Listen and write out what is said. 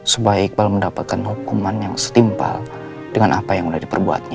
supaya iqbal mendapatkan hukuman yang setimpal dengan apa yang sudah diperbuatnya